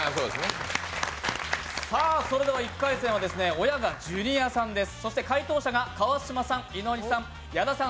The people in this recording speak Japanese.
それでは１回戦は親がジュニアさんです。